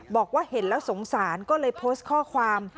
บอกว่าเห็นแล้วสงสารก็เลยโพสต์ข้อความ